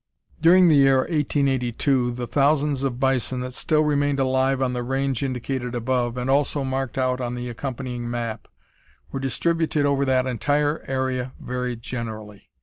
During the year 1882 the thousands of bison that still remained alive on the range indicated above, and also marked out on the accompanying map, were distributed over that entire area very generally.